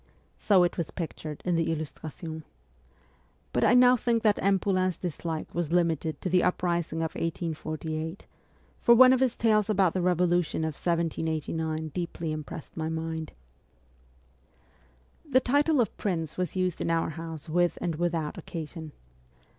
So it was pictured in the ' Illustration.' But I now think that M. Poulain's dislike was limited to the uprising of 1848, for one of his tales about the Revolution of 1789 deeply impressed my mind. The title of prince was used in our house with and without occasion.